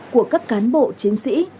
của các cán bộ chiến sĩ